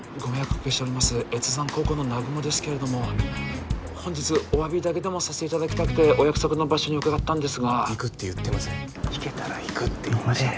おかけしております越山高校の南雲ですけれども本日お詫びだけでもさせていただきたくて☎お約束の場所に伺ったんですが行くって言ってません☎行けたら行くって言いました